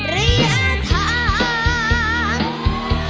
เรียนทาง